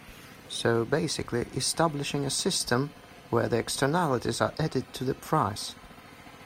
So basically establishing a system where the externalities are added to the price.